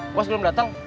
uwas belum dateng